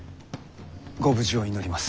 ご無事を祈ります。